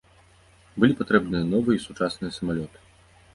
Былі патрэбныя новыя і сучасныя самалёты.